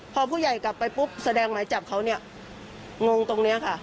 พอผู้ใหญ่กลับไปปุ๊บแสดงหมายจับเขาเนี่ยงงตรงนี้ค่ะ